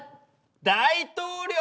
大統領⁉